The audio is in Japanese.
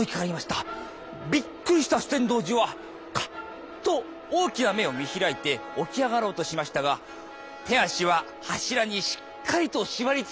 びっくりした酒呑童子はカッと大きな目を見開いて起き上がろうとしましたが手足は柱にしっかりと縛りつけられています。